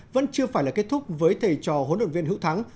vẫn chưa phải là kết thúc với thầy trò hỗn độn viên hữu thắng